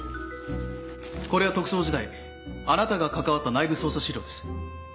これは特捜時代あなたが関わった内部捜査資料です。